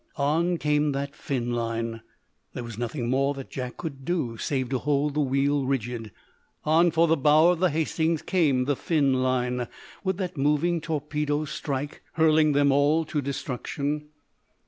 On came that fin line. There was nothing more that Jack could do, save to hold the wheel rigid. On for the bow of the "Hastings" came the fin line. Would that moving torpedo strike, hurling them all to destruction?